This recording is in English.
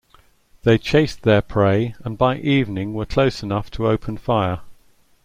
They chased their prey and by evening were close enough to open fire.